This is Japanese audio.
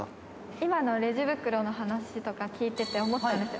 今のレジ袋の話とか聞いてて思ったんですよ。